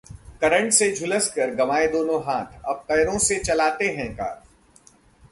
current से झुलसकर गंवाए दोनों हाथ, अब पैरों से चलाते हैं कार